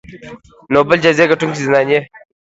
نوبل جایزې ګټونکې زنداني